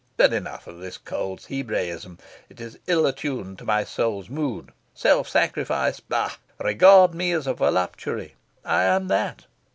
But enough of this cold Hebraism! It is ill attuned to my soul's mood. Self sacrifice bah! Regard me as a voluptuary. I am that.